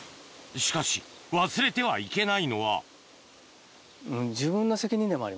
しかし忘れてはいけないのはそうですね。